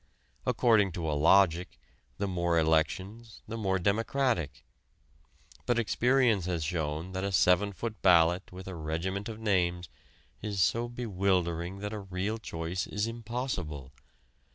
According to a logic, the more elections the more democratic. But experience has shown that a seven foot ballot with a regiment of names is so bewildering that a real choice is impossible.